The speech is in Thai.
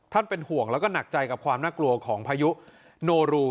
เป็นห่วงแล้วก็หนักใจกับความน่ากลัวของพายุโนรู